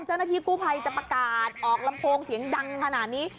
เจ้าหน้าที่กู้ภัยจะประกาศออกลำโพงเสียงดังขนาดนี้